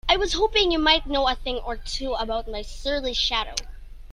I was hoping you might know a thing or two about my surly shadow?